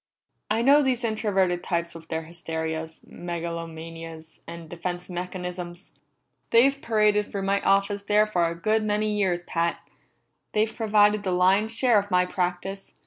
"I know these introverted types with their hysterias, megalomanias, and defense mechanisms! They've paraded through my office there for a good many years, Pat; they've provided the lion's share of my practice.